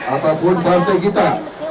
apapun partai kita